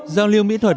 giao lưu mỹ thuật